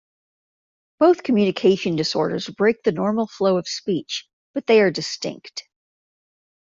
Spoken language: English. Both communication disorders break the normal flow of speech, but they are distinct.